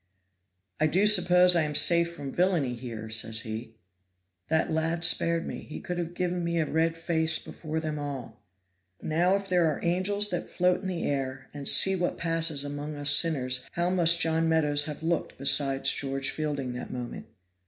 'I do suppose I am safe from villainy here,' says he. That lad spared me; he could have given me a red face before them all. Now if there are angels that float in the air and see what passes among us sinners, how must John Meadows have looked beside George Fielding that moment?